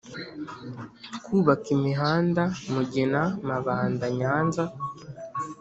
kubaka imihanda mugina mabanda nyanza